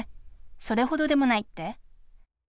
それほどでもないって？